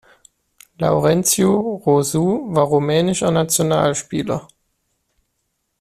Laurențiu Roșu war rumänischer Nationalspieler.